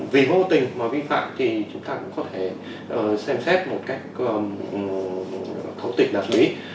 vì vô tình mà vi phạm thì chúng ta cũng có thể xem xét một cách thấu tịch hợp lý